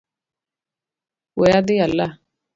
We adhi ala